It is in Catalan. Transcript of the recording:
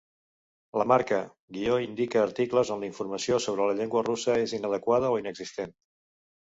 La marca "-" indica articles on la informació sobre la llengua russa és inadequada o inexistent.